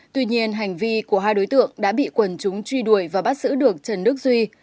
tuy nhiên hành vi của hai đối tượng đã bị quần chúng truy đuổi và bắt giữ được trần đức duy